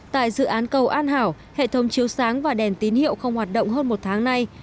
tại dự án cầu an hảo hệ thống chiếu sáng và đèn tín hiệu không hoạt động hơn một tháng nay